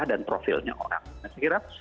dan profilnya orang